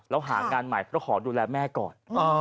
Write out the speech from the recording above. แล้วหางานใหม่เพราะขอดูแลแม่ก่อน